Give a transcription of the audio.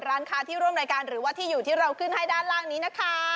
ร้านค้าที่ร่วมรายการหรือว่าที่อยู่ที่เราขึ้นให้ด้านล่างนี้นะคะ